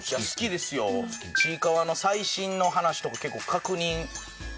『ちいかわ』の最新の話とか結構確認してる。